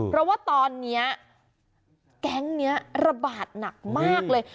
เพราะว่าตอนนี้แก๊งนี้ระบาดหนักมากเลย